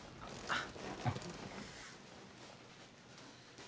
あっ。